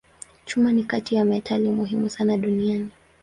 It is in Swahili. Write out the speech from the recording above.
Chuma ni kati ya metali muhimu sana duniani.